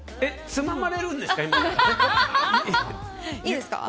つままれるんですか、今から。